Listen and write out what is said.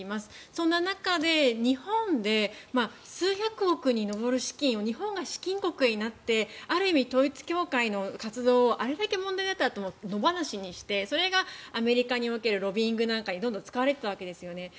そんな中で、日本で数百億に上る資金を日本が資金国になってある意味、統一教会の活動をあれだけ問題になったあとも野放しにしてそれがアメリカにおけるロビーングなんかにどんどん使われていたわけですよね。